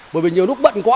bởi vì nhiều lúc bận quá